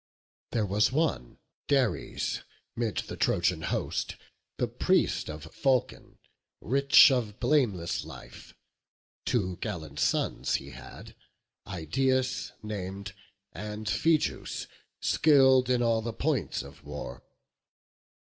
There was one Dares 'mid the Trojan host, The priest of Vulcan, rich, of blameless life; Two gallant sons he had, Idaeus nam'd, And Phegeus, skill'd in all the points of war.